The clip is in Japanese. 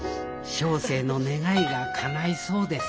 小生の願いがかないそうです